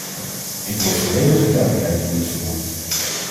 Ik wil volledige duidelijkheid in dit verband.